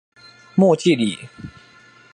莫济里。